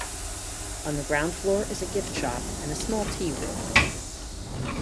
On the ground floor is a gift shop and a small tea room.